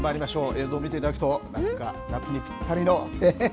映像見ていただくと、何か、夏にぴったりの。